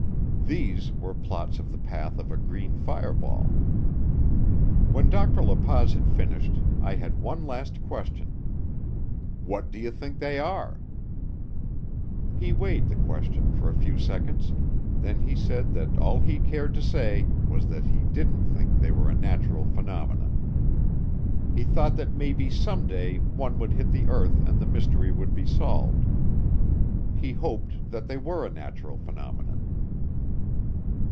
These were plots of the path of a green fireball. When Dr. La Paz had finished, I had one last question, "What do you think they are?" He weighed the question for a few seconds then he said that all he cared to say was that he didn't think that they were a natural phenomenon. He thought that maybe someday one would hit the earth and the mystery would be solved. He hoped that they were a natural phenomenon.